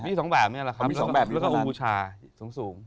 มี๒แบบนี้แหละครับแล้วก็อูชาสูง